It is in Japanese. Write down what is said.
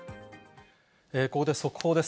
ここで速報です。